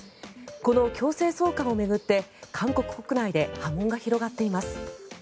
この強制送還を巡って韓国国内で波紋が広がっています。